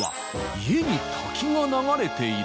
家に滝が流れてる？